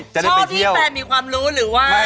ชอบที่แฟนมีความรู้หรือว่า